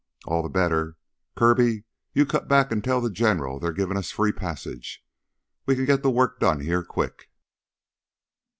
"All the better. Kirby, you cut back and tell the General they're givin' us free passage. We can get the work done here, quick."